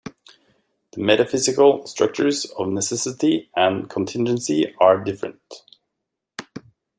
The metaphysical structures of necessity and contingency are different.